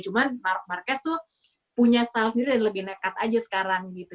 cuma marquez tuh punya style sendiri dan lebih nekat aja sekarang gitu